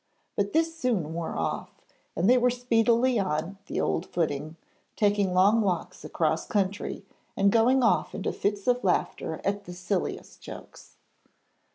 But this soon wore off, and they were speedily on the old footing, taking long walks across country, and going off into fits of laughter at the silliest jokes.